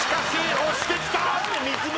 押してきた！